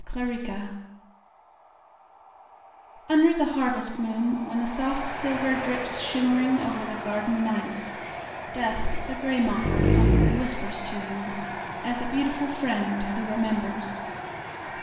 Under the Harvest Moon UNDER the harvest moon, When the soft silverDrips shimmeringOver the garden nights, Death, the gray mocker, Comes and whispers to youAs a beautiful friendWho remembers.